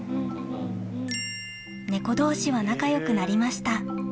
猫同士は仲よくなりました